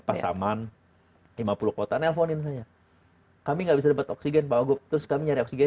pasaman lima puluh kota nelfonin saya kami nggak bisa dapat oksigen pak wagub terus kami nyari oksigen